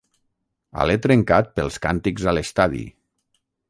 Alè trencat pels càntics a l'estadi.